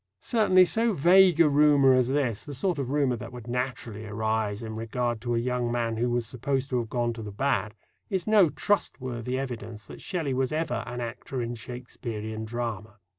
Certainly, so vague a rumour as this the sort of rumour that would naturally arise in regard to a young man who was supposed to have gone to the bad is no trustworthy evidence that Shelley was ever "an actor in Shakespearean drama."